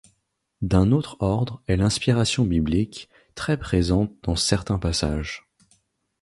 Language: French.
D'un autre ordre est l'inspiration biblique, très présente dans certains passages.